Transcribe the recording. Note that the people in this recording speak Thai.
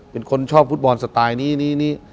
เป็นคนชอบฟุตบอลสไตล์นี้